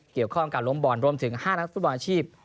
เกี่ยวข้องกับการล้มบอลรวมถึง๕นักฟุตบอลอาชีพ